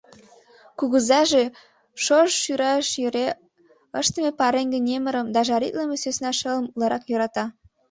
Кугызаже шож шӱраш йӧре ыштыме пареҥге немырым да жаритлыме сӧсна шылым утларак йӧрата.